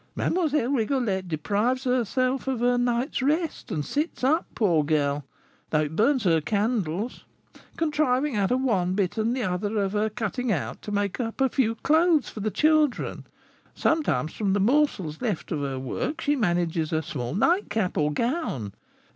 Mlle. Rigolette deprives herself of her night's rest, and sits up, poor girl (though it burns her candles), contriving out of one bit and the other of her cutting out, to make up a few clothes for the children; sometimes from the morsels left of her work she manages a small nightcap or gown; and M.